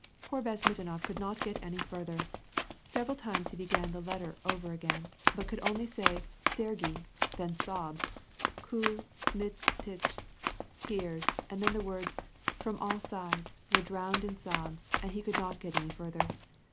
Poor Vyazmitinof could not get any further. Sev eral times he began the letter over again74)ut could only say, * Sergyei/ — then sobs, —* Ku — zmi — tch,' — tears, arid then the words, — ^from all sides ' were drowned in sobs, and he could not get any further.